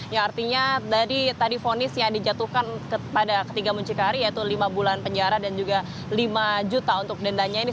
ya artinya dari tadi vonis yang dijatuhkan kepada ketiga muncikari yaitu lima bulan penjara dan juga lima juta untuk dendanya ini